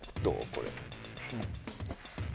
これ。